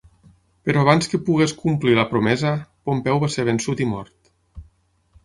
Però abans que pogués complir la promesa, Pompeu va ser vençut i mort.